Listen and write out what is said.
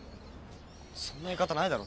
そんな言い方ないだろ。